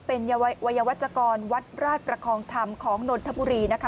เป็นวัยวัชกรวัดราชประคองธรรมของนนทบุรีนะคะ